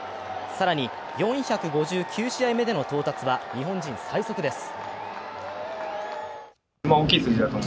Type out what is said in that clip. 更に４５９試合目での到達は日本人最速です。